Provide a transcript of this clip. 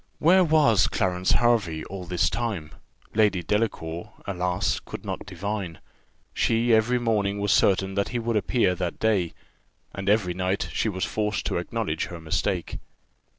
Where was Clarence Hervey all this time? Lady Delacour, alas! could not divine. She every morning was certain that he would appear that day, and every night she was forced to acknowledge her mistake.